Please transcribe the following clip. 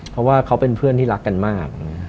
เพราะว่าเขาเป็นเพื่อนที่รักกันมาก